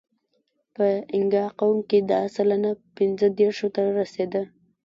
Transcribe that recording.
په اینګا قوم کې دا سلنه پینځهدېرشو ته رسېده.